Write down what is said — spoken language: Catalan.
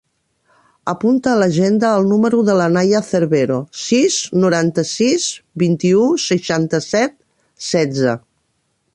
Apunta a l'agenda el número de la Naia Cervero: sis, noranta-sis, vint-i-u, seixanta-set, setze.